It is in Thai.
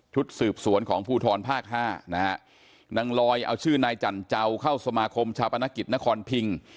สืบสวนของภูทรภาคห้านะฮะนางลอยเอาชื่อนายจันเจ้าเข้าสมาคมชาปนกิจนครพิง